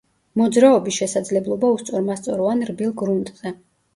მოძრაობის შესაძლებლობა უსწორმასწორო ან რბილ გრუნტზე.